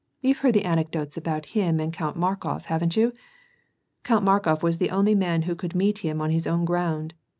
You've heard the anecdotes about him and Count Markof, haven't you ? Count Markof was the only man who could meet him on his own ground.